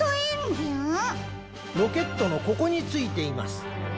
ロケットのここについています。